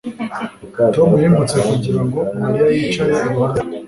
Tom yimutse kugira ngo Mariya yicare iruhande rwe